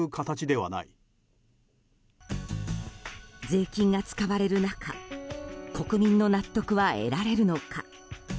税金が使われる中国民の納得は得られるのか。